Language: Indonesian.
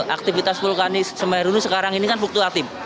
aktivitas vulkanis semeru ini sekarang ini kan fluktuatif